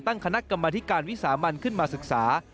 ตั้งคณะกรรมธิการวิสามันขึ้นมาศึกษา